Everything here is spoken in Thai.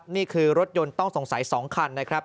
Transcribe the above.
นี่คือรถยนต์ต้องสงสัย๒คันนะครับ